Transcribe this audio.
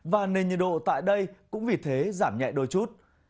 và nền nhiệt độ tại đây cũng vì thế giảm nhẹ đôi chút